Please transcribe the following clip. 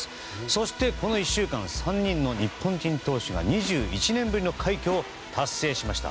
そして、この１週間３人の日本人投手が２１年ぶりの快挙を達成しました。